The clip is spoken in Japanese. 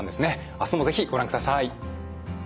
あすも是非ご覧ください。